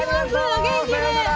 お元気で！